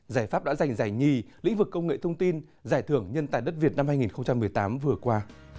giải pháp đã giành giải nhì lĩnh vực công nghệ thông tin giải thưởng nhân tài đất việt năm hai nghìn một mươi tám vừa qua